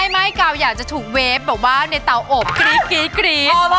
ไม่กาวอยากจะถูกเวฟแบบว่าในเตาอบกรี๊ด